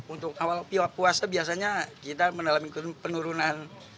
untuk awal puasa biasanya kita mengalami penurunan